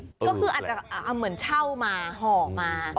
ก็คืออาจจะเอาเหมือนเช่ามาห่อมา